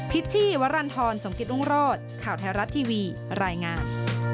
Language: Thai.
พิษที่วรรณธรสงกิตอุ้งโรศ์ข่าวแท้รัฐทีวีรายงาน